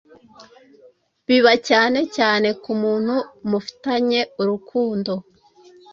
biba cyane cyane ku muntu mufitanye urukundo